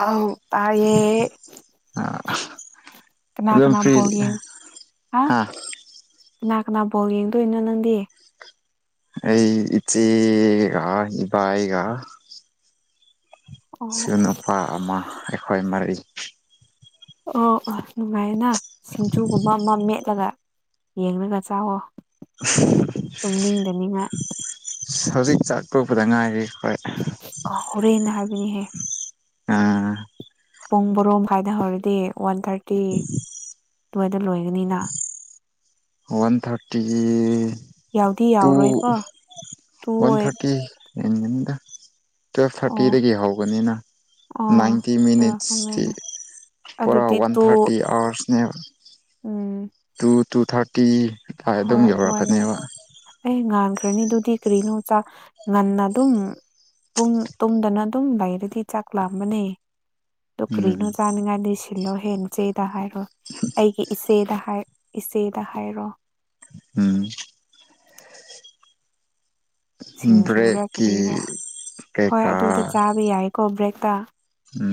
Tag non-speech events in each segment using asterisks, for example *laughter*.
ꯑꯥꯎ ꯇꯥꯏꯌꯦ ꯀꯅꯥ ꯑꯗꯨꯝ ꯀꯅꯥ ꯐꯔꯤ ꯕꯣꯜ ꯌꯦꯡ ꯍꯥ ꯍꯥꯥ ꯀꯅꯥ ꯀꯅꯥ ꯕꯣꯜ ꯌꯦꯡꯗꯣꯏꯅꯣ ꯅꯪꯗꯤ ꯑꯩ ꯏꯆꯦꯒ ꯏꯕꯥꯏꯒ ꯑꯣ ꯏꯁꯦꯟ ꯅꯨꯄꯥ ꯑꯃ ꯑꯈꯣꯏ ꯃꯔꯤ ꯑꯣ ꯑꯣ ꯅꯨꯡꯉꯥꯏꯌꯦꯅ ꯁꯤꯡꯖꯨꯒꯨꯝꯕ ꯑꯃ ꯃꯦꯠꯂꯒ ꯌꯦꯡꯂꯒ ꯆꯥꯎꯑꯣ ꯇꯨꯝꯅꯤꯡꯗꯅꯤꯡꯉꯥꯏ ꯍꯧꯖꯤꯛ ꯆꯥꯛ ꯇꯣꯛꯄꯗ ꯉꯥꯏꯔꯤ ꯑꯥ ꯍꯣꯔꯦꯟ ꯍꯥꯏꯕꯅꯤꯍꯦ ꯑꯥ ꯄꯨꯡ ꯕꯔꯣ ꯃꯈꯥꯏꯗ ꯍꯧꯔꯗꯤ ꯋꯥꯟ ꯊꯥꯔꯇꯤ ꯑꯗꯨꯋꯥꯏꯗ ꯂꯣꯏꯒꯅꯤꯅ ꯋꯥꯟ ꯊꯥꯔꯇꯤ ꯌꯥꯎꯗꯤ ꯇꯨ ꯌꯥꯎꯔꯣꯏꯀꯣ ꯇꯨ ꯋꯥꯟ ꯑꯣꯏ ꯊꯥꯔꯇꯤ ꯍꯦꯟꯒꯅꯤꯗ ꯇꯨꯋꯦꯜꯞ ꯑꯣ ꯊꯥꯔꯇꯤꯗꯒꯤ ꯍꯧꯕꯅꯤꯅ ꯑꯣ ꯅꯥꯏꯟꯇꯤ ꯆꯥ ꯃꯤꯅꯤꯠꯁꯇꯤ ꯈꯪꯗꯦꯅꯦ ꯄꯨꯔꯥ ꯑꯗꯨꯗꯤ ꯋꯥꯟ ꯇꯨ ꯊꯥꯔꯇꯤ ꯑꯋꯥꯔꯁꯅꯦ ꯎꯝ ꯇꯨ ꯇꯨ ꯊꯥꯔꯇꯤ ꯑꯗꯨꯝ ꯍꯣꯏ ꯑꯗꯨꯃꯥꯏꯅ ꯌꯧꯔꯛꯀꯅꯦꯕ ꯑꯩ ꯉꯥꯡ ꯈꯈ꯭ꯔꯅꯤꯗꯨꯗꯤ ꯀꯔꯤꯅꯣꯗ ꯉꯟꯅ ꯑꯗꯨꯝ ꯄꯨꯡ ꯇꯨꯝꯗꯅ ꯑꯗꯨꯝ ꯂꯩꯔꯗꯤ ꯆꯥꯛ ꯂꯥꯝꯕꯅꯦ ꯇꯣ ꯎꯝ ꯀ꯭ꯔꯤꯅꯣ ꯆꯥꯅꯤꯡꯉꯥꯏꯗ ꯁꯤꯜꯂꯣ ꯅꯆꯦꯗ ꯍꯥꯏꯔꯣ ꯑꯩꯒꯤ ꯏꯆꯦꯗ ꯍꯥꯏ ꯏꯆꯦꯗ ꯍꯥꯏꯔꯣ ꯎꯝ ꯁꯤꯡꯖꯨꯔꯥ ꯕ꯭ꯔꯦꯛꯀꯤ ꯀꯔꯤꯔꯥ ꯍꯣꯏ ꯀꯩꯀꯥ ꯑꯗꯨꯗ ꯆꯥꯕ ꯌꯥꯏꯀꯣ ꯕ꯭ꯔꯦꯛꯇ ꯎꯝ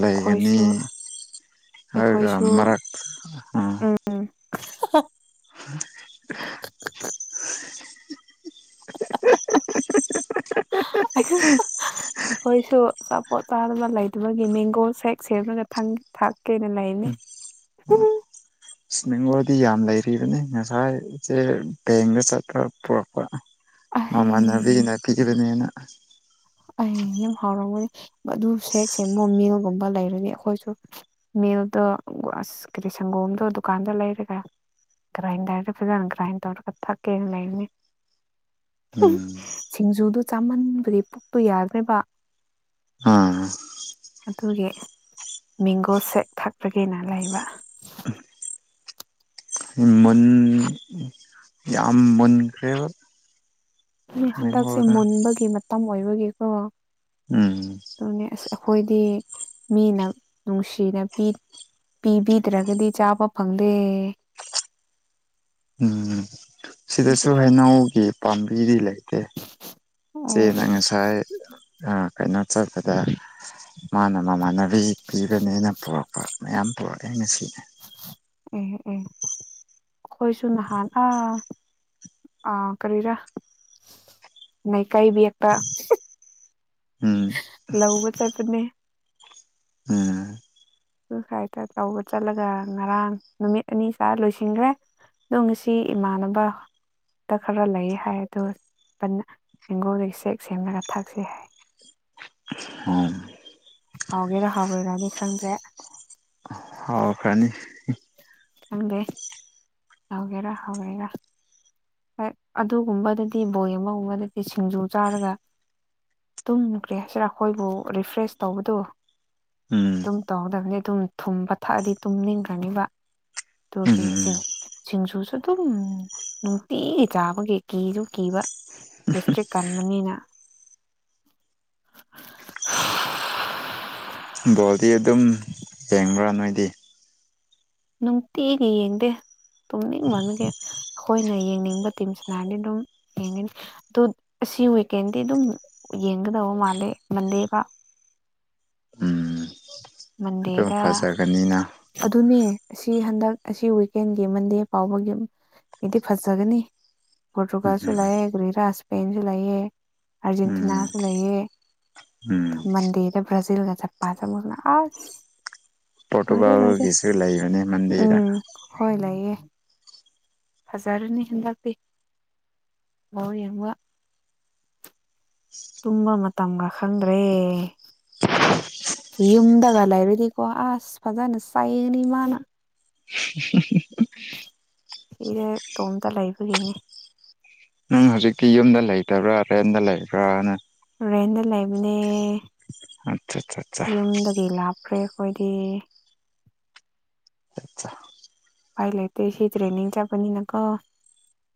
ꯂꯩꯒꯅꯤ ꯑꯩꯈꯣꯏꯁꯨ ꯍꯥꯏꯔꯒ ꯑꯩꯈꯣꯏꯁꯨ ꯃꯔꯥꯛ ꯍꯥꯍꯥ *unintelligible* *unintelligible* ꯑꯈꯣꯏꯁꯨ ꯑꯆꯥꯄꯣꯠ ꯆꯥꯗꯅ ꯂꯩꯇꯕꯒꯤ ꯃꯦꯡꯒꯣ ꯁꯦꯛ ꯁꯦꯝꯂꯒ ꯊꯛ ꯊꯛꯀꯦꯅ ꯂꯩꯕꯅꯦ ꯑꯁ ꯃꯦꯡꯒꯣꯗꯤ ꯌꯥꯝ ꯂꯩꯔꯤꯕꯅꯤ ꯉꯁꯥꯏ ꯏꯁꯦ ꯕꯦꯡꯗ ꯆꯠꯄ ꯄꯨꯔꯛꯄ ꯑꯍꯦ ꯃꯃꯥꯟꯅꯕꯤꯅ ꯄꯤꯕꯅꯦꯅ ꯑꯩ ꯌꯥꯝ ꯍꯥꯎꯔꯝꯒꯅꯤ ꯑꯗꯨ ꯁꯦꯛ ꯁꯦꯡ ꯃꯣ ꯃꯤꯜꯒꯨꯝꯕ ꯂꯩꯔꯗꯤ ꯑꯈꯣꯏꯁꯨ ꯃꯤꯜꯛꯗꯣ ꯑꯁ ꯀꯔꯤ ꯁꯪꯒꯣꯝꯗꯣ ꯗꯨꯀꯥꯟꯗꯒꯤ ꯂꯩꯔꯦꯒ ꯉꯔꯥꯟꯗ꯭ꯔꯗ ꯐꯖꯅ ꯉꯔꯥꯟ ꯇꯧꯔꯒ ꯊꯥꯛ ꯀꯦꯅ ꯂꯩꯕꯅꯦ ꯎꯝ ꯁꯤꯡꯖꯨꯗꯨ ꯆꯥꯃꯟꯕꯒꯤ ꯄꯨꯛꯇꯨ ꯌꯥꯗ꯭ꯔꯦꯕ ꯑꯥ ꯑꯗꯨꯒꯤ ꯃꯦꯡꯒꯣ ꯁꯦꯛ ꯊꯛꯄꯒꯤꯅ ꯂꯩꯕ ꯎꯝ ꯃꯨꯟ ꯌꯥꯝ ꯃꯨꯟꯈ꯭ꯔꯦꯕ ꯃꯤ ꯍꯟꯗꯛꯁꯦ ꯃꯦꯡꯒꯣꯗꯣ ꯃꯨꯟꯕꯒꯤ ꯃꯇꯝ ꯑꯣꯏꯕꯒꯤꯀꯣ ꯎꯝ ꯑꯈꯣꯏꯗꯤ ꯃꯤꯅ ꯅꯨꯡꯁꯤꯅ ꯄꯤ ꯄꯤꯕꯤꯗ꯭ꯔꯒꯗꯤ ꯆꯥꯕ ꯐꯪꯗꯦ ꯎꯝ ꯁꯤꯗꯁꯨ ꯑꯣ ꯍꯩꯅꯧꯒꯤ ꯄꯥꯝꯕꯤꯗꯤ ꯂꯩ ꯇꯦ ꯏꯆꯦꯅ ꯉꯁꯥꯏ ꯑꯥ ꯀꯩꯅꯣ ꯆꯠꯄꯗ ꯃꯥꯅ ꯃꯃꯥꯟꯅꯕꯤ ꯄꯤꯕꯅꯦꯅ ꯄꯨꯔꯛꯄ ꯃꯌꯥꯝ ꯄꯨꯔꯛꯑꯦ ꯉꯁꯤ ꯎꯝ ꯎꯝ ꯑꯈꯣꯏꯁꯨ ꯅꯍꯥꯟ ꯑꯥ ꯑꯥ ꯀꯔꯤꯔꯥ *unintelligible* ꯀꯩꯕꯤꯌꯦꯛꯇ ꯎꯝ ꯂꯧꯕ ꯆꯠꯄꯅꯦ ꯎꯝ ꯑꯗꯨ ꯁꯥꯏꯗ ꯇꯧꯕ ꯆꯠꯂꯒ ꯉꯔꯥꯡ ꯅꯨꯃꯤꯠ ꯑꯅꯤ ꯆꯥ ꯂꯣꯏꯁꯤꯟꯒ꯭ꯔꯦ ꯑꯗꯣ ꯉꯁꯤ ꯏꯃꯥꯟꯅꯕ ꯗ ꯈꯔ ꯂꯩꯌꯦ ꯍꯥꯏꯑꯦ ꯑꯗꯣ ꯕꯅ ꯍꯤꯡꯒꯣꯜꯗꯒꯤ ꯁꯦꯛ ꯁꯦꯝꯂꯒ ꯊꯥꯛꯁꯦ ꯍꯥꯏꯑꯦ ꯎꯝ ꯍꯥꯎꯒꯦꯔꯥ ꯍꯥꯎꯔꯣꯏꯔꯗꯤ ꯈꯪꯗ꯭ꯔꯦ ꯑꯣ ꯐꯅꯤ ꯈꯪꯗꯦ ꯍꯥꯎꯒꯦꯔ ꯍꯥꯎꯔꯣꯏꯔ ꯍꯣꯏ ꯑꯗꯨꯒꯨꯝꯕꯗꯗꯤ ꯕꯣꯜ ꯌꯦꯡꯕꯒꯨꯝꯕꯗꯗꯤ ꯁꯤꯡꯖꯨ ꯆꯥꯔꯒ ꯇꯨꯝꯒ꯭ꯔꯦ ꯁꯦꯔꯥ ꯑꯩꯈꯣꯏꯕꯨ ꯔꯤꯐ꯭ꯔꯦꯁ ꯇꯧꯕꯗꯨ ꯎꯝ ꯑꯗꯨꯝ ꯇꯧꯗꯕꯅꯤ ꯑꯗꯨꯝ ꯊꯨꯝꯕ ꯊꯛꯑꯗꯤ ꯇꯨꯝꯅꯤꯡꯈ꯭ꯔꯅꯤꯕ ꯑꯗꯨꯒꯤ ꯎꯝ ꯁꯤꯡ ꯁꯤꯡꯖꯨꯁꯨ ꯑꯗꯨꯝ ꯇꯤꯒꯤ ꯆꯥꯕꯒꯤ ꯀꯤꯁꯨ ꯀꯤꯕ ꯒꯦꯁꯇ꯭ꯔꯤꯛ ꯀꯟꯕꯅꯤꯅ *inaudible* ꯕꯣꯜꯗꯤ ꯑꯗꯨꯝ ꯌꯦꯡꯕ꯭ꯔꯥ ꯅꯣꯏꯗꯤ ꯅꯨꯡꯇꯤꯒꯤ ꯌꯦꯡꯗꯦ ꯇꯨꯝꯅꯤꯡꯃꯟꯕꯒꯤ ꯑꯩꯈꯣꯏꯅ ꯌꯦꯡꯅꯤꯡꯕ ꯇꯤꯝ ꯁꯥꯟꯅꯔꯗꯤ ꯑꯗꯨꯝ ꯌꯦꯡꯒꯅꯤ ꯑꯗꯨ ꯁꯤ ꯋꯦꯀꯦꯟꯗꯤ ꯑꯗꯨꯝ ꯌꯦꯡꯒꯗꯕ ꯃꯥꯜꯂꯦ ꯃꯟꯗꯦꯕꯥꯎ ꯎꯝ ꯑꯗꯨꯝ ꯃꯟꯗꯦꯗ ꯐꯖꯒꯅꯤꯅ ꯑꯗꯨꯅꯦ ꯑꯁꯤ ꯍꯟꯗꯛ ꯑꯁꯤ ꯋꯦꯛꯀꯦꯟꯒꯤ ꯃꯟꯗꯦ ꯐꯥꯎꯕꯒꯤ ꯑꯩꯗꯤ ꯐꯖꯒꯅꯤ ꯄꯣꯔꯇꯨꯒꯜꯁꯨ ꯎꯝ ꯂꯩꯌꯦ ꯀꯔꯤꯔꯥ ꯁ꯭ꯄꯦꯟꯁꯨ ꯂꯩꯌꯦ ꯎꯝ ꯑꯔꯖꯦꯟꯇꯤꯅꯥꯁꯨ ꯂꯩꯌꯦ ꯎꯝ ꯃꯟꯗꯦꯗ ꯕ꯭ꯔꯥꯖꯤꯜ ꯒ ꯖꯄꯥꯟ ꯒ ꯑꯃꯨꯛ ꯑꯁ ꯂꯣꯏꯔꯦ ꯂꯣꯏꯔꯦ ꯄꯣꯔꯇꯨꯒꯥꯜꯒꯤꯁꯨ ꯂꯩꯕꯅꯦ ꯃꯟꯗꯦꯗ ꯎꯝ ꯍꯣꯏ ꯂꯩꯥꯌꯦ ꯐꯖꯔꯅꯤ ꯍꯟꯗꯛꯇꯤ ꯕꯣꯜ ꯌꯦꯡꯕ ꯇꯨꯝꯕ ꯃꯇꯝꯒ ꯈꯪꯗ꯭ꯔꯦ ꯌꯨꯝꯗꯒꯥ ꯂꯩꯥꯔꯗꯤꯀꯣ ꯑꯁ ꯐꯥꯖꯅ ꯆꯩꯔꯅꯤ ꯏꯃꯥꯅ ꯁꯤꯔꯦ ꯏꯇꯣꯝꯇ ꯂꯩꯕꯒꯤꯅꯦ ꯅꯪ ꯍꯧꯖꯤꯛꯇꯤ ꯌꯨꯝꯗ ꯂꯩꯇꯕ꯭ꯔꯥ ꯔꯦꯟꯇ ꯂꯩꯕ꯭ꯔꯥꯅ ꯔꯦꯟꯗ ꯂꯩꯕꯅꯦ ꯑꯠꯆꯥ ꯌꯨꯝꯗꯒꯤ ꯂꯥꯞꯈ꯭ꯔꯦ ꯑꯩꯈꯣꯏꯗꯤ ꯑꯆꯥ ꯎꯄꯥꯏ ꯂꯩꯇꯦ ꯁꯤ ꯇ꯭ꯔꯦꯅꯤꯡ ꯆꯠꯄꯅꯤꯅꯀꯣ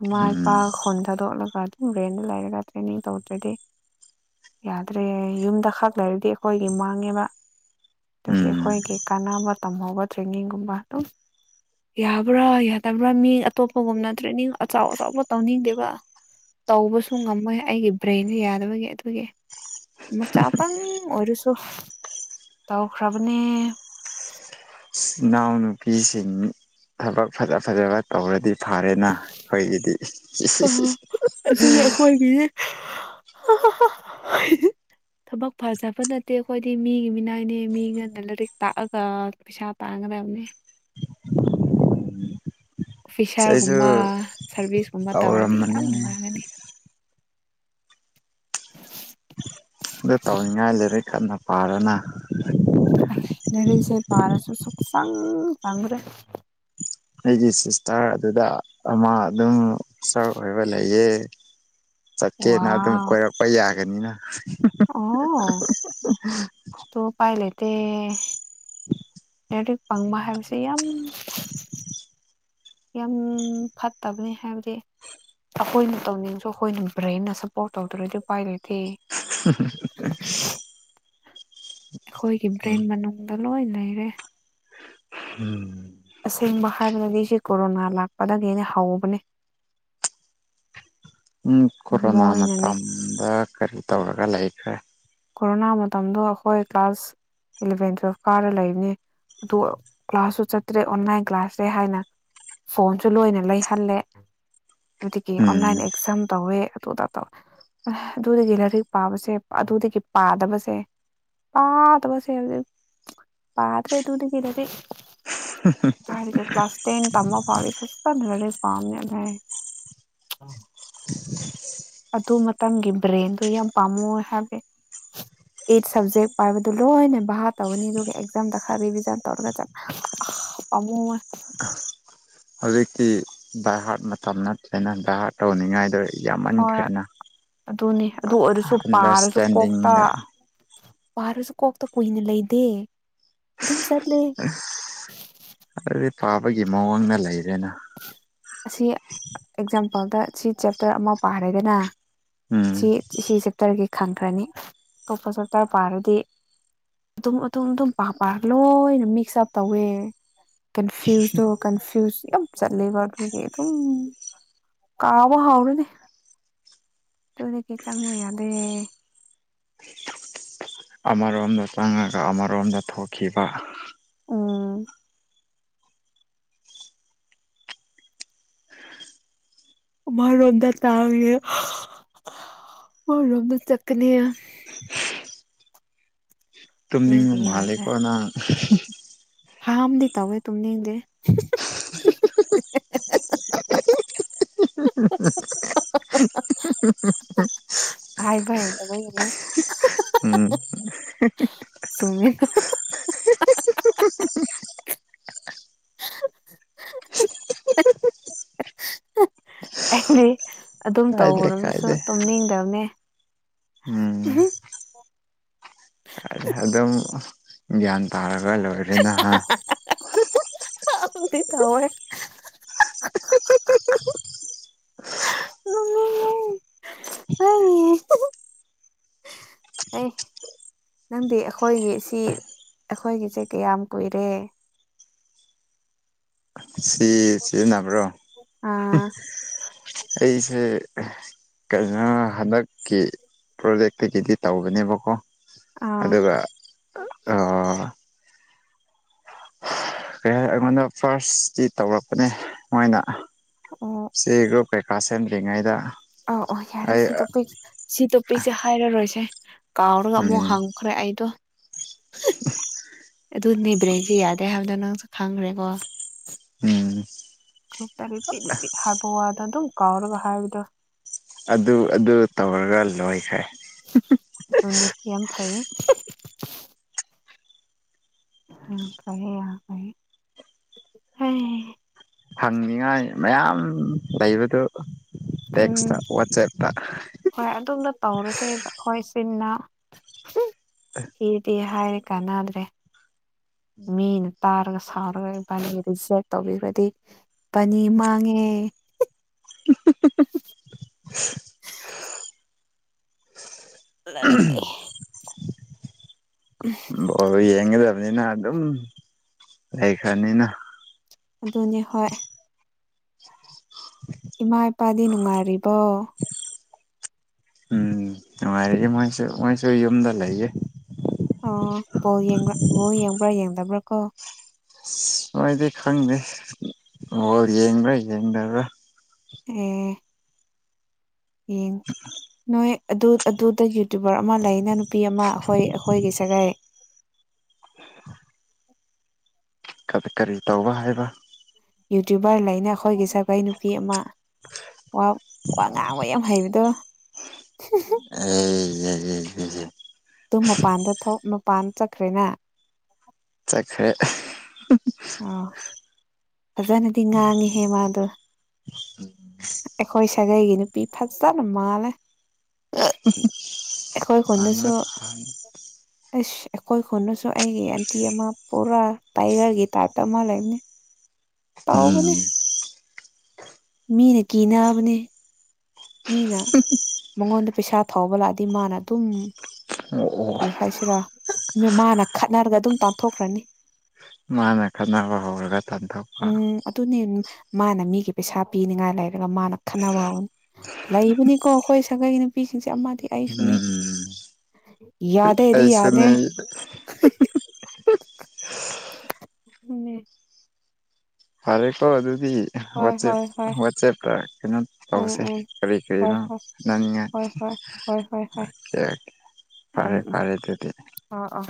ꯏꯃꯥ ꯎꯝ ꯏꯄꯥ ꯈꯨꯟ ꯊꯥꯗꯣꯛꯂꯒ ꯔꯦꯟꯗ ꯂꯩꯔꯒ ꯇ꯭ꯔꯦꯅꯤꯡ ꯇꯧꯗ꯭ꯔꯗꯤ ꯌꯥꯗ꯭ꯔꯦ ꯌꯨꯝꯗ ꯈꯛ ꯂꯩꯔꯗꯤ ꯑꯩꯈꯣꯏꯒꯤ ꯃꯥꯡꯉꯦꯕ ꯑꯗꯨꯒꯤ ꯎꯝ ꯑꯩꯈꯣꯏꯒꯤ ꯀꯥꯟꯅꯕ ꯇꯝꯍꯧꯕ ꯇ꯭ꯔꯦꯅꯤꯡꯒꯨꯝꯕ ꯑꯗꯨꯝ ꯌꯥꯕ꯭ꯔꯥ ꯌꯥꯗꯕ꯭ꯔꯥ ꯃꯤ ꯑꯇꯣꯞꯄꯒꯨꯝꯅ ꯇ꯭ꯔꯦꯅꯤꯡ ꯑꯆꯥꯎ ꯑꯆꯥꯎꯕ ꯇꯧꯅꯤꯡꯗꯦꯕ ꯇꯧꯕꯁꯨ ꯉꯝꯃꯣꯏ ꯑꯩꯒꯤ ꯕ꯭ꯔꯦꯟ ꯌꯥꯗꯕꯒꯤ ꯑꯗꯨꯒꯤ ꯃ ꯆꯥꯄꯥꯥꯡ ꯑꯣꯏꯔꯁꯨ ꯇꯧꯈ꯭ꯔꯕꯅꯦ ꯏꯅꯥꯎꯅꯨꯄꯤꯁꯤꯡ ꯊꯕꯛ ꯐꯖ ꯐꯖꯕ ꯇꯧꯔꯗꯤ ꯐꯔꯦꯅ ꯑꯩꯈꯣꯏꯒꯤꯗꯤ ꯏꯁ ꯏꯁ ꯑꯗꯨꯅ ꯑꯩꯈꯣꯏꯒꯤꯗꯤ *unintelligible* ꯊꯕꯛ ꯐꯖꯕ ꯅꯠꯇꯦ ꯑꯩꯈꯣꯏꯗꯤ ꯃꯤꯒꯤ ꯃꯤꯅꯥꯏꯅꯦ ꯃꯤ ꯉꯅ ꯂꯥꯏꯔꯤꯛ ꯇꯥꯛꯑꯒ ꯄꯩꯁꯥ ꯇꯥꯟ *unintelligible* ꯑꯩꯁꯨ ꯑꯣꯐꯤꯁꯥꯔꯒꯨꯝꯕ ꯁꯥꯔꯚꯤꯁꯀꯨꯝꯕ ꯇꯧꯔꯅꯤ ꯌꯥꯝ ꯇꯧꯔꯝꯕꯅꯤ ꯅꯨꯡꯉꯥꯏꯒꯅꯤ ꯑꯗꯨ ꯇꯧꯅꯤꯡꯉꯥꯏ ꯂꯩꯔꯦꯤꯛ ꯀꯟꯅ ꯄꯥꯔꯣꯅ ꯂꯩꯔꯤꯛꯁꯦ ꯄꯥꯔꯁꯨ ꯁꯨꯛꯆꯪ ꯆꯪꯈ꯭ꯔꯦ ꯑꯩꯒꯤ ꯁꯤꯁꯇꯔ ꯑꯗꯨꯗ ꯑꯃ ꯑꯗꯨꯝ ꯁ꯭ꯔꯕ ꯑꯣꯏꯕ ꯂꯩꯌꯦ ꯆꯠꯀꯦꯅ ꯑꯗꯨꯝ ꯀꯣꯏꯔꯛꯄ ꯌꯥꯒꯅꯤꯅ ꯑꯣ ꯑꯣ ꯇꯨ ꯄꯥꯏ ꯂꯩꯇꯦ ꯂꯥꯢꯔꯤꯛ ꯄꯪꯕ ꯍꯥꯏꯁꯦ ꯌꯥꯝ ꯌꯥꯝ ꯐꯠꯇꯕꯅꯤ ꯍꯥꯏꯕꯗꯤ ꯑꯩꯈꯣꯏꯅ ꯇꯧꯅꯤꯡꯁꯨ ꯑꯩꯈꯣꯏꯅ ꯕ꯭ꯔꯦꯟꯅ ꯁꯞꯄꯣꯔꯠ ꯇꯧꯗꯔꯗꯤ ꯎꯄꯥꯏ ꯂꯩꯇꯦ ꯍꯝ ꯍꯝ ꯍꯝ ꯑꯩꯈꯣꯏꯒꯤ ꯎꯝ ꯕ꯭ꯔꯦꯟ ꯃꯅꯨꯡꯗ ꯂꯣꯏ ꯂꯩꯔꯦ ꯑꯁꯦꯡꯕ ꯍꯥꯏꯕꯗꯗꯤ ꯑꯩꯁꯦ ꯀꯣꯔꯣꯅꯥ ꯂꯥꯛꯄꯗꯒꯤ ꯑꯩꯅ ꯍꯧꯕꯅꯦ *inaudible* ꯀꯣꯔꯣꯅꯥ ꯃꯣꯏꯅꯅꯦ ꯃꯇꯝꯗ ꯀꯔꯤ ꯇꯧꯔꯒ ꯂꯩꯈ꯭ꯔꯦ ꯀꯣꯔꯣꯅꯥ ꯃꯇꯝꯗꯣ ꯑꯩꯈꯣꯏ ꯀ꯭ꯂꯥꯁ ꯏꯂꯚꯦꯟ ꯇꯨꯋꯦꯜꯞ ꯀꯥꯔ ꯂꯩꯕꯅꯤ ꯑꯗꯨ ꯀ꯭ꯂꯥꯁꯁꯨ ꯆꯠꯇ꯭ꯔꯦ ꯑꯣꯟꯂꯥꯏꯟ ꯀ꯭ꯂꯥꯁꯅꯦ ꯍꯥꯏꯅ ꯐꯣꯟꯁꯨ ꯂꯣꯏꯅ ꯂꯩꯍꯜꯂꯦ ꯑꯗꯨꯗꯒꯤ ꯎꯝ ꯑꯣꯟꯂꯥꯏꯟ ꯑꯦꯛꯖꯥꯝ ꯇꯧꯋꯦ ꯑꯗꯨꯗ ꯇꯧꯋꯦ ꯑꯗꯨꯗꯒꯤ ꯂꯥꯏꯔꯤꯛ ꯄꯥꯕꯁꯦ ꯑꯗꯨꯗꯒꯤ ꯄꯥꯗꯕꯁꯦ ꯄꯥꯇꯕꯁꯦ ꯍꯧꯖꯤꯛ ꯄꯥꯗꯔꯦ ꯑꯗꯨꯗꯒꯤ ꯂꯥꯢꯔꯤꯛ ꯍꯝ ꯍꯝ ꯍꯝ ꯀ꯭ꯂꯥꯁ ꯇꯦꯟ ꯇꯃ ꯐꯥꯎꯗꯤ ꯐꯖꯅ ꯂꯥꯢꯔꯤꯛ ꯄꯥꯕꯅꯦ ꯑꯗꯩ ꯑꯗꯨ ꯃꯇꯝꯒꯤ ꯕ꯭ꯔꯦꯟꯗꯣ ꯌꯥꯝ ꯄꯥꯝꯃꯨꯌꯦ ꯍꯥꯏꯕꯗꯤ *inaudible* ꯑꯩꯠ ꯁꯕꯖꯦꯛ ꯄꯥꯏꯕꯗꯨ ꯂꯣꯏꯅ ꯚꯥ ꯇꯧꯅꯤ ꯑꯗꯨꯒ ꯑꯦꯛꯖꯥꯝꯗ ꯈꯔ ꯔꯤꯚꯤꯖꯟ ꯇꯧꯔꯒ ꯆꯠꯂ ꯄꯝꯃꯨꯌꯦ ꯍꯧꯖꯤꯛꯇꯤ ꯕꯥꯏꯍꯔꯠ ꯃꯇꯝ ꯅꯠꯇꯦ ꯅꯪ ꯗꯥꯏꯍꯔꯠ ꯇꯧꯅꯤꯡꯉꯥꯏꯗ ꯌꯥꯃꯟ ꯍꯣꯏ ꯈ꯭ꯔꯦꯅ ꯑꯗꯨꯅꯤ ꯑꯗꯨ ꯑꯣꯏꯔꯁꯨ ꯄꯥꯔꯒ ꯀꯣꯛꯇ ꯄꯥꯔꯁꯨ ꯀꯣꯛꯇ ꯀꯨꯏꯅ ꯂꯩꯗꯦ ꯑꯗꯨꯝ ꯆꯠ ꯑꯁ ꯂꯥꯢꯔꯤꯛ ꯄꯥꯕꯒꯤ ꯃꯑꯣꯡꯗ ꯂꯩꯔꯦꯅ ꯑꯁꯤ ꯑꯦꯛꯖꯥꯝꯄꯜꯗ ꯁꯤ ꯆꯦꯞꯇꯔ ꯑꯃ ꯄꯥꯔꯦꯒꯅ ꯎꯝ ꯁꯤ ꯁꯤ ꯆꯦꯞꯇꯔꯗꯤ ꯈꯪꯈ꯭ꯔꯅꯤ ꯑꯇꯣꯞꯄ ꯆꯦꯞꯇꯔ ꯄꯥꯔꯗꯤ ꯑꯗꯨꯨꯝ ꯑꯗꯨꯝ ꯑꯗꯨꯝ ꯄꯥ ꯄꯥ ꯂꯣꯏꯅ ꯃꯤꯛꯁ ꯑꯞ ꯇꯧꯋꯦ ꯀꯟꯐ꯭ꯌꯨꯁꯇꯣ ꯀꯟꯐ꯭ꯌꯨꯁ ꯌꯥꯝ ꯆꯂꯦꯕ ꯑꯗꯨꯒꯤ ꯑꯗꯨꯝ ꯀꯥꯎꯕ ꯍꯥꯎꯔꯅꯤ ꯑꯗꯨꯗꯒꯤ ꯆꯪꯑꯣ ꯌꯥꯗꯦ ꯑꯃꯔꯣꯝꯗ ꯆꯪꯉꯒ ꯑꯃꯔꯣꯝꯗ ꯊꯣꯛꯈꯤꯕ ꯎꯝ ꯑꯃꯅꯣꯟꯗ ꯇꯥꯎꯋꯤꯌꯦ ꯑꯃꯔꯣꯝꯗ ꯆꯠꯀꯅꯤ ꯇꯨꯝꯅꯤꯡꯕ ꯑꯗꯨꯒꯤ ꯃꯥꯂꯦꯀꯣꯅꯪ ꯍꯥ ꯍꯝꯗꯤ ꯇꯋꯦ ꯇꯨꯃꯤꯅꯤꯡꯗꯦ ꯍ ꯍ ꯍ ꯍ ꯍ ꯍ ꯍ ꯍ ꯍ ꯍ ꯍꯥꯏꯕ ꯍꯩꯇꯕꯒꯤꯅꯦ ꯎꯝ ꯆꯨꯝꯃꯦ ꯑꯩꯗꯤ ꯑꯗꯨꯝ ꯀꯥꯏꯗꯦ ꯇꯧꯔꯒꯁꯨ ꯀꯥꯏꯗꯦ ꯇꯨꯝꯅꯤꯡꯗꯝꯅꯦ ꯎꯝ ꯑꯍꯨ ꯀꯥꯏꯗꯦ ꯑꯗꯨꯝ ꯒ꯭ꯌꯥꯟ ꯇꯥꯔꯒ ꯂꯣꯏꯔꯦꯅ ꯍꯥ ꯈꯪꯗꯦ ꯇꯧꯋꯦ ꯅꯨꯡꯉꯥꯢ ꯑꯩ ꯅꯪꯗꯤ ꯑꯩꯈꯣꯏꯒꯤ ꯁꯤ ꯑꯩꯈꯣꯏꯒꯤꯁꯦ ꯀꯌꯥꯝ ꯀꯨꯏꯔꯦ ꯁꯤ ꯁꯤꯖꯤꯟꯅꯕ꯭ꯔꯣ ꯑꯥ ꯑꯩꯁꯦ ꯀꯩꯅꯣ ꯍꯟꯗꯛꯀꯤ ꯄ꯭ꯔꯣꯖꯦꯛꯇꯒꯤꯗꯤ ꯇꯧꯕꯅꯦꯕꯀꯣ ꯑꯥ ꯑꯗꯨꯒ ꯑꯥ ꯀꯩ ꯍꯥꯏ ꯑꯩꯉꯣꯟꯗ ꯐꯥꯔꯁꯇꯤ ꯇꯧꯔꯛꯄꯅꯦ ꯃꯣꯏꯅ ꯑꯣ ꯆꯦ ꯒ꯭ꯔꯨꯞ ꯀꯩ ꯀꯥꯁꯦꯝꯗ꯭ꯔꯤꯉꯩꯗ ꯑ ꯑꯣ ꯌꯥꯔꯦ ꯁꯤ ꯇꯣꯄꯤꯛ ꯁꯤ ꯇꯣꯄꯤꯛꯁꯦ ꯍꯥꯏꯔꯔꯣꯏꯒꯦ ꯀꯥꯎꯔꯒ ꯑꯃꯨꯛ ꯎꯝ ꯍꯪꯈ꯭ꯔꯦ ꯑꯩꯗꯣ ꯑꯗꯨꯅꯦ ꯕ꯭ꯔꯦꯟꯁꯨ ꯌꯥꯗꯦ ꯍꯥꯏꯕꯗꯣ ꯅꯪꯁꯨ ꯈꯪꯈ꯭ꯔꯦꯀꯣ ꯎꯝ *unintelligible* ꯄꯤꯛ ꯍꯥꯏꯕ ꯋꯥꯗꯣ ꯑꯗꯨꯝ ꯀꯥꯎꯔꯒ ꯍꯥꯏꯕꯗꯣ ꯑꯗꯨ ꯑꯗꯨ ꯇꯧꯔꯒ ꯂꯣꯏꯈ꯭ꯔꯦ ꯍꯦ ꯎꯝ *unintelligible* ꯍꯪꯅꯤꯉꯥꯏ ꯃꯌꯥꯝ ꯂꯩꯕꯗꯨ ꯎꯝ ꯇꯦꯛꯁꯇ ꯋꯥꯆꯦꯞꯇ ꯍꯣꯏ ꯑꯗꯨꯝꯅ ꯇꯧꯔꯁꯦꯕ ꯍꯣꯏ ꯆꯤꯟꯅ ꯁꯤꯗꯤ ꯍꯥꯏꯔ ꯀꯥꯟꯅꯗ꯭ꯔꯦ ꯃꯤꯅ ꯇꯥꯔꯒ ꯁꯥꯎꯔꯒ ꯏꯕꯥꯅꯤ ꯔꯤꯖꯦꯛ ꯇꯧꯕꯤꯒꯔꯗꯤ ꯏꯕꯥꯅꯤ ꯃꯥꯡꯉꯦ *unintelligible* *inaudible* ꯂꯥꯂꯥꯂꯩ ꯕꯣꯜ ꯌꯦꯡꯒꯗꯕꯅꯤꯅ ꯑꯗꯨꯝ ꯂꯩꯈ꯭ꯔꯅꯤꯅ ꯑꯗꯨꯅꯦ ꯍꯣꯏ ꯏꯃꯥ ꯏꯄꯥꯗꯤ ꯅꯨꯡꯉꯥꯏꯔꯤꯕꯣ ꯎꯝ ꯅꯨꯡꯉꯥꯏꯔꯤꯌꯦ ꯃꯣꯏꯁꯨ ꯃꯣꯏꯁꯨ ꯌꯨꯝꯗ ꯂꯩꯌꯦ ꯑꯣ ꯕꯣꯜ ꯌꯦꯡꯕ ꯕꯣꯜ ꯌꯦꯡꯕ꯭ꯔꯥ ꯌꯦꯡꯗꯕ꯭ꯔꯥ ꯀꯣ ꯃꯣꯏꯗꯤ ꯈꯪꯗꯦ ꯕꯣꯜ ꯌꯦꯡꯕ꯭ꯔꯥ ꯌꯦꯡꯗꯕ꯭ꯔꯥ ꯑꯦ ꯌꯦꯡ ꯅꯣꯏ ꯑꯗꯨ ꯑꯗꯨꯗ ꯌꯨꯇꯨꯕꯔ ꯑꯃ ꯂꯩꯅ ꯅꯨꯄꯤ ꯑꯃ ꯑꯩꯈꯣꯏ ꯑꯩꯈꯣꯏꯒꯤ ꯁꯥꯒꯩ *inaudible* ꯀ ꯀꯔꯤ ꯇꯧꯕ ꯍꯥꯏꯕ ꯌꯨꯇ꯭ꯌꯨꯕꯔ ꯂꯩꯅ ꯑꯩꯈꯣꯏꯒꯤ ꯁꯥꯒꯩ ꯅꯨꯄꯤ ꯑꯃ ꯋꯥ ꯋꯥ ꯉꯥꯡꯕ ꯌꯥꯝ ꯍꯩꯕꯗꯣ ꯑꯦ ꯑꯗꯨꯝ ꯃꯄꯥꯟꯗ ꯊꯣꯛ ꯃꯄꯥꯟ ꯆꯠꯈ꯭ꯔꯦꯅ ꯆꯠꯈ꯭ꯔꯦ ꯑꯥꯎ ꯐꯖꯅꯗꯤ ꯉꯥꯡꯉꯤꯍꯦ ꯃꯥꯗꯣ ꯑꯩꯈꯣꯏ ꯁꯥꯒꯩꯒꯤ ꯅꯨꯄꯤ ꯐꯖꯅ ꯃꯥꯜꯂꯦ ꯑꯩꯈꯣꯏ ꯀꯨꯟꯗꯁꯨ ꯍꯥꯟꯕ ꯇꯥꯕꯅꯤ *inaudible* ꯑꯁ ꯑꯩꯈꯣꯏ ꯈꯨꯟꯗꯁꯨ ꯑꯩꯒꯤ ꯑꯦꯟꯇꯤ ꯑꯃ ꯄꯨꯔꯥ ꯇꯥꯏꯒꯔꯒꯤ ꯇꯥꯏꯞꯇ ꯑꯃ ꯂꯩꯕꯅꯤ ꯎꯝ ꯇꯧꯕꯅꯦ ꯃꯤꯅ ꯀꯤꯅꯕꯅꯦ ꯃꯤꯅ ꯃꯉꯣꯟꯗ ꯄꯩꯁꯥ ꯊꯧꯕ ꯂꯥꯛꯑꯗꯤ ꯃꯥꯅ ꯑꯗꯨꯝ ꯑꯣ ꯑꯣ ꯀꯔꯤ ꯍꯥꯏꯁꯤꯔꯥ ꯃꯥꯅ ꯈꯠꯅꯔꯒ ꯑꯗꯨꯝ ꯇꯥꯟꯊꯣꯛꯈ꯭ꯔꯅꯤ ꯅꯪꯅ ꯈꯠꯅꯕ ꯍꯧꯔꯒ ꯇꯥꯟꯊꯣꯛꯄ ꯎꯝ ꯑꯗꯨꯅꯦ ꯃꯥꯅ ꯃꯤꯒꯤ ꯄꯩꯁꯥ ꯄꯤꯅꯤꯉꯥꯏ ꯂꯩꯔꯒ ꯃꯥꯅ ꯈꯟꯅꯕ ꯂꯩꯕꯅꯤꯀꯣ ꯑꯩꯈꯣꯏ ꯁꯥꯒꯩꯒꯤ ꯅꯨꯄꯤꯁꯤꯡꯁꯦ ꯑꯃꯗꯤ ꯑꯩꯁꯨꯅꯦ ꯎꯝ ꯌꯥꯗꯦꯗꯤ ꯌꯥꯗꯦ ꯑꯩꯁꯨꯅꯦ *unintelligible* ꯐꯔꯦ ꯀꯣ ꯑꯗꯨ ꯗꯤ ꯍꯣꯏ ꯋꯥꯆꯦꯞ ꯍꯣꯏ ꯍꯣꯏ ꯋꯥꯆꯦꯞꯇ ꯀꯩꯅꯣ ꯎꯝ ꯇꯧꯕꯁꯦ ꯎꯝ ꯀꯔꯤ ꯍꯣꯏ ꯀꯔꯤꯅꯣ ꯍꯣꯏ ꯍꯣꯠꯅꯅꯤꯡꯉꯥꯏ ꯍꯣꯏ ꯍꯣꯏ ꯍꯣꯏ ꯎꯝ ꯐꯔꯦ ꯎꯝ ꯐꯔꯦ ꯑꯗꯨꯗꯤ ꯑꯥ ꯑꯥ